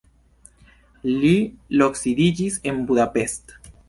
Li loksidiĝis en Budapest.